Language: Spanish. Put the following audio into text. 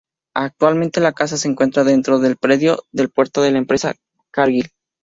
Actualmente la casa se encuentra dentro del predio del puerto de la empresa Cargill.